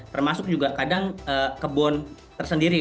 termasuk juga kadang kebun tersendiri